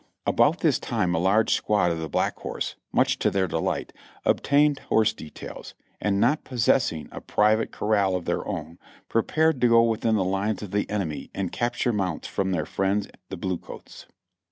About this time a large squad of the Black Horse, much to their delight, obtained horse details, and not possessing a private corral of their own, prepared to go within the lines of the enemy and capture mounts from their friends the blue coats.